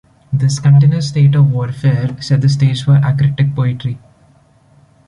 This continuous state of warfare set the stage for Acritic poetry.